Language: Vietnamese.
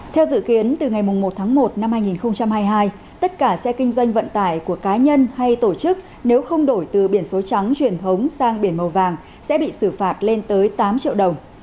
theo dự kiến từ ngày một tháng một năm hai nghìn hai mươi hai tất cả xe kinh doanh vận tải của cá nhân hay tổ chức nếu không đổi từ biển số trắng truyền thống sang biển màu vàng sẽ bị xử phạt lên tới tám triệu đồng